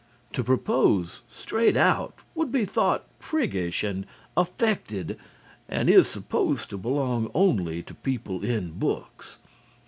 To propose straight out would be thought priggish and affected and is supposed to belong only to people in books.